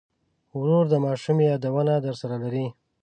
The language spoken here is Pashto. ورور د ماشومۍ یادونه درسره لري.